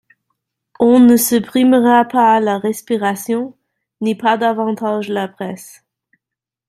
On ne supprimera pas la respiration, ni pas davantage la Presse.